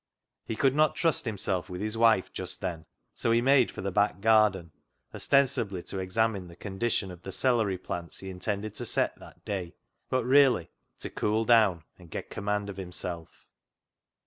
He could not trust himself with his wife just then, so he made for the back garden, ostensibly to examine the condition of the celery plants he intended to set that day, but really to cool down and get command of him self.